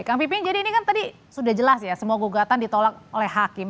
kang pipin jadi ini kan tadi sudah jelas ya semua gugatan ditolak oleh hakim